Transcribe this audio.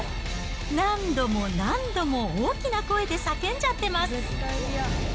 何度も何度も大きな声で叫んじゃってます。